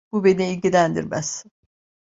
Bu beni ilgilendirmez.